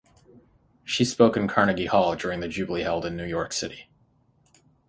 She spoke in Carnegie Hall during the Jubilee held in New York City.